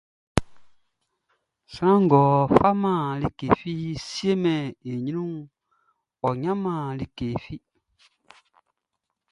Sran ngʼɔ faman like fi siemɛn i ɲrunʼn, ɔ ɲanman like fi.